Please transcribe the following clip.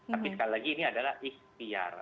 tapi sekali lagi ini adalah ikhtiar